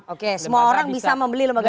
oke semua orang bisa membeli lembaga seperti ya